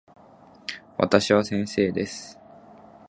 私は先生です。